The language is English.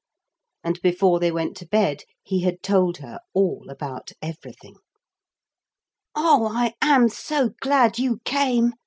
And before they went to bed he had told her all about everything. 'Oh, I am so glad you came!'